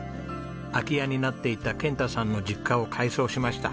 空き家になっていた健太さんの実家を改装しました。